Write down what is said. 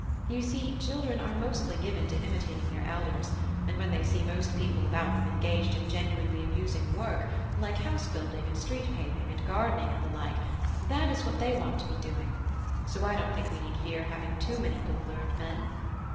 You see, children are mostly given to imitating their elders, and when they see most people about them engaged in genuinely amusing work, like house building and street paving, and gardening, and the like, that is what they want to be doing; so I don't think we need fear having too many book learned men."